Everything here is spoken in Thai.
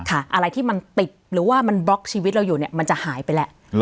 อะไรที่มันติดหรือว่ามันบล็อกชีวิตเราอยู่เนี่ยมันจะหายไปแล้ว